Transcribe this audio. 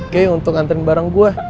kayak yang untuk anterin barang gua